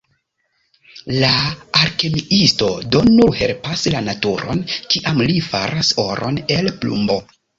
La alkemiisto do nur helpas la naturon, kiam li faras oron el plumbo.